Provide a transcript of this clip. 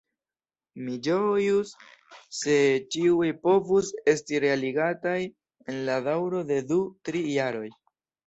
Mi ĝojus, se ĉiuj povus esti realigataj en la daŭro de du-tri jaroj.